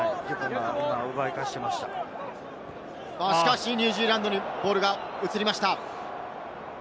しかし、ニュージーランドにボールが移りました。